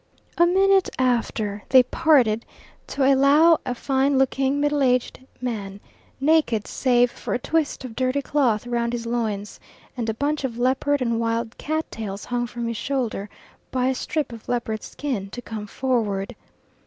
A minute after they parted to allow a fine looking, middle aged man, naked save for a twist of dirty cloth round his loins and a bunch of leopard and wild cat tails hung from his shoulder by a strip of leopard skin, to come forward.